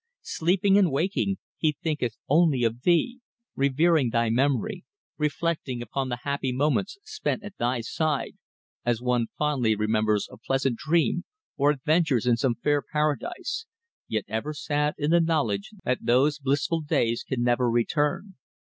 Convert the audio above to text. Sleeping and waking he thinketh only of thee, revering thy memory, reflecting upon the happy moments spent at thy side, as one fondly remembers a pleasant dream or adventures in some fair paradise, yet ever sad in the knowledge that those blissful days can never return.